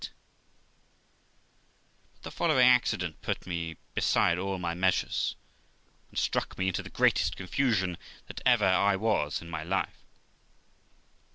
But the following accident put me beside all my measures, and struck me into the greatest confusion that ever I was in my life.